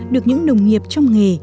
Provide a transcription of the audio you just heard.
được những đồng nghiệp trong nghề